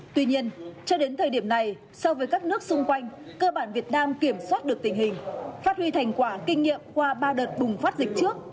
tuy nhiên cho đến thời điểm này so với các nước xung quanh cơ bản việt nam kiểm soát được tình hình phát huy thành quả kinh nghiệm qua ba đợt bùng phát dịch trước